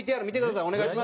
お願いします。